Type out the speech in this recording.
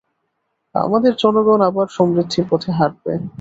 আমাদের জনগণ আবার সমৃদ্ধির পথে হাঁটবে!